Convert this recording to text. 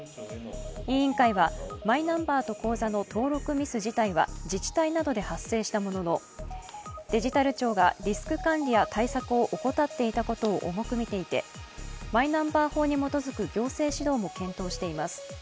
委員会はマイナンバーと口座の登録ミス自体は自治体などで発生したもののデジタル庁がリスク管理や対策を怠っていたことを重くみていてマイナンバー法に基づく行政指導も検討しています。